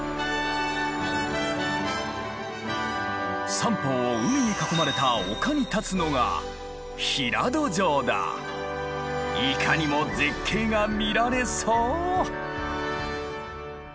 三方を海に囲まれた丘に立つのがいかにも絶景が見られそう！